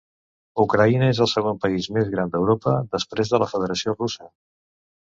Ucraïna és el segon país més gran d"Europa després de la Federació Russa.